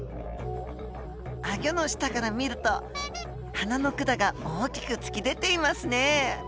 あごの下から見ると鼻の管が大きく突き出ていますね。